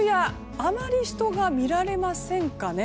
あまり人が見られませんかね。